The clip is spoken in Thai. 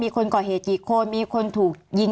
มีความรู้สึกว่ามีความรู้สึกว่า